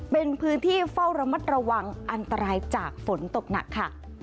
เป็นพื้นที่เฝ้าระมัดระวังอันตรายจากฝนตกหนักค่ะ